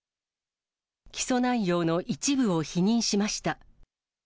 起訴内容の一部を否認しました。